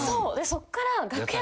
そっから。